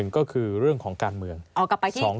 ก็คือเรื่องของการเมือง